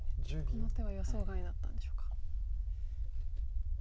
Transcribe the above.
この手は予想外だったんでしょうか。